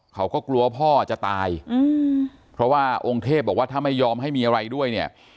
เขาก็กลัวพ่อจะตายเพราะว่าองค์เทพบอกว่าถ้าไม่ยอมให้มีอะไรด้วยเนี่ย